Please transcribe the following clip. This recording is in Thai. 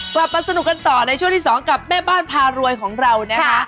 กลับมาสนุกกันต่อในช่วงที่สองกับแม่บ้านพารวยของเรานะคะ